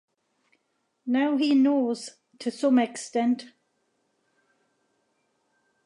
Now he knows to some extent